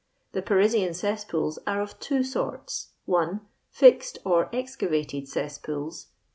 The Parisian cesspools are of two sorts :— 1. Fixed or excavated cesapools.